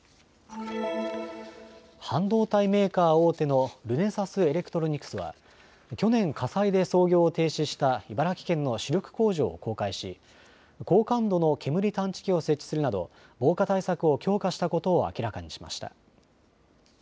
半導体メーカー大手のルネサスエレクトロニクスは去年、火災で操業を停止した茨城県の主力工場を公開し高感度の煙探知機を設置するなど防火対策を強化したことを明らかにしました。